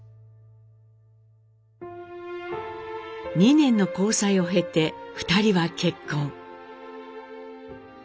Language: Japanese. ２年の交際を経て２人は結婚。